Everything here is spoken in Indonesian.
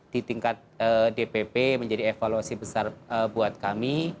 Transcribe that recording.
di tingkat dpp menjadi evaluasi besar buat kami